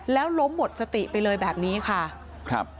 แล้วล้มหมดสติไปเลยแบบนี้ค่ะครับ